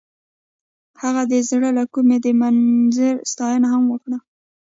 هغې د زړه له کومې د منظر ستاینه هم وکړه.